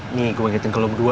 ini gue ngajakin ke lo berdua ya